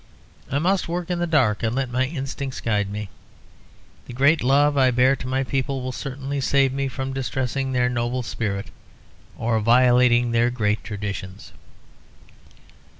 I must work in the dark and let my instincts guide me. The great love I bear to my people will certainly save me from distressing their noble spirit or violating their great traditions."